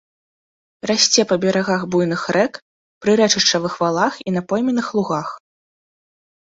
Расце па берагах буйных рэк, прырэчышчавых валах і на пойменных лугах.